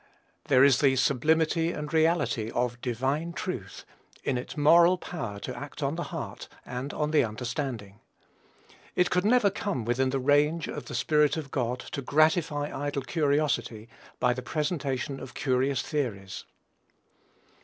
There is the sublimity and reality of DIVINE TRUTH, in its moral power to act on the heart, and on the understanding. It could never come within the range of the Spirit of God to gratify idle curiosity by the presentation of curious theories.